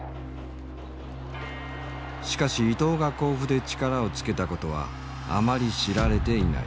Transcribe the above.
しかし伊東が甲府で力をつけたことはあまり知られていない。